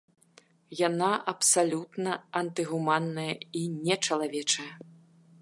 Яна абсалютна антыгуманная і нечалавечая.